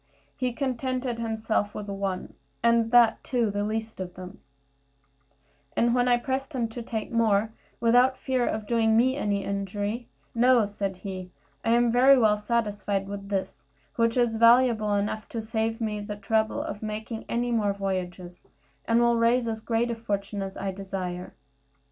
He contented himself with one, and that, too, the least of them; and when I pressed him to take more, without fear of doing me any injury, "No," said he, "I am very well satisfied with this, which is valuable enough to save me the trouble of making any more voyages, and will raise as great a fortune as I desire."